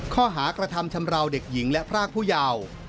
ข้อหากระทำชำราวเด็กหญิงและพรากผู้เยาว์